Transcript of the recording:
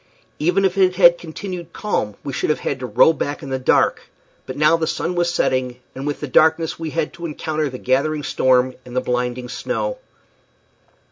Even if it had continued calm we should have had to row back in the dark; but now the sun was setting, and with the darkness we had to encounter the gathering storm and the blinding snow.